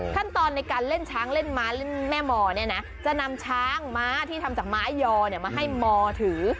ขั้นตอนในการเล่นช้างเล่นม้าเล่นแม่มอเนี่ยนะจะนำช้างม้าที่ทำจากไม้ยอมาให้มอถือ